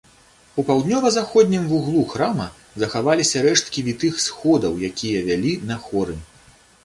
У паўднёва-заходнім вуглу храма захаваліся рэшткі вітых сходаў, якія вялі на хоры.